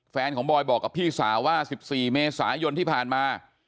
แฟนของบอยบอกกับพี่สาวว่า๑๔เมษายนที่ผ่านมา